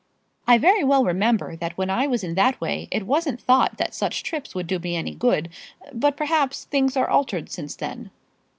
"I very well remember that when I was in that way it wasn't thought that such trips would do me any good. But, perhaps, things are altered since then."